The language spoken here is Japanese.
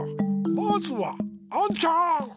まずはアンちゃん！